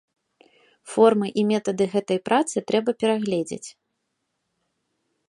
Формы і метады гэтай працы трэба перагледзець.